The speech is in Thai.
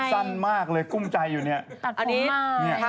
สั้นมากเลยกุ้มใจอยู่เนี่ย